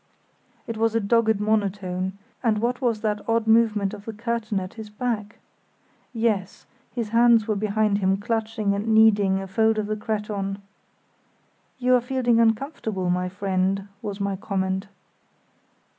It was a dogged monotone, and what was that odd movement of the curtain at his back? Yes, his hands were behind him clutching and kneading a fold of the cretonne. "You are feeling uncomfortable, my friend," was my comment.